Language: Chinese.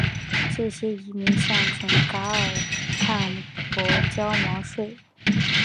这些遗民向准噶尔汗国交毛皮税。